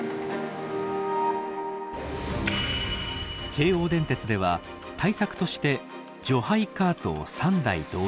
京王電鉄では対策として除灰カートを３台導入。